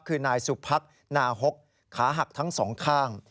คือนายสุพรรคนาหกขาหักทั้ง๒ข้าง